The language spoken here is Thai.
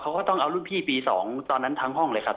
เขาก็ต้องเอารุ่นพี่ปี๒ตอนนั้นทั้งห้องเลยครับ